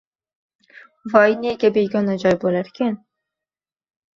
Voy, nega begona joy bo`larkan